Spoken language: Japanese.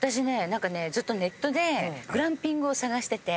何かネットでグランピングを探してて。